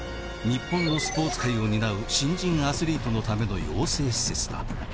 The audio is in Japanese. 「日本のスポーツ界を担う」「新人アスリートのための養成施設だ」